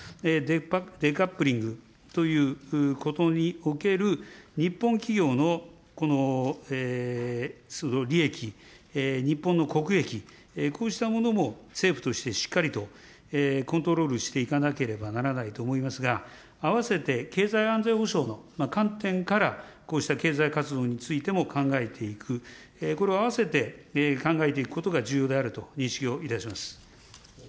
デカップリングということにおける、日本企業の利益、日本の国益、こうしたものも政府としてしっかりとコントロールしていかなければならないと思いますが、あわせて経済安全保障の観点から、こうした経済活動についても考えていく、これを合わせて考えていくことが重要であると認識をいたします。